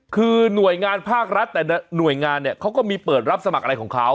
คือหน่วยงานภาครัฐแต่ละหน่วยงานเนี่ยเขาก็มีเปิดรับสมัครอะไรของเขา